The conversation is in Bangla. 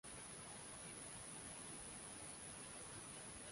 একটি খেলা ড্রয়ে পরিণত হয়েছিল।